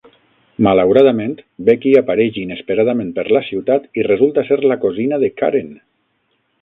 Malauradament, Becky apareix inesperadament per la ciutat i resulta ser la cosina de Karen.